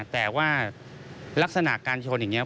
แต่ว่าลักษณะการชนอย่างนี้